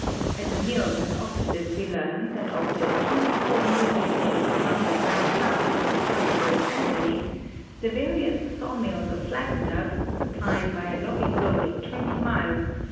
At the mills and offices we learn that of the 24,000.000 feet of lumber now cut in the territory annually, the various sawmills of Flagstaff, supplied by a logging road of 20 miles, p.